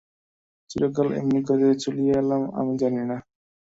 চিরকাল এমনি করে চালিয়ে এলাম, আমি জানি না?